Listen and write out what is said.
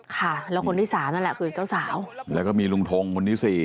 ค่ะแล้วคนที่สามนั่นแหละคือเจ้าสาวแล้วก็มีลุงทงคนที่สี่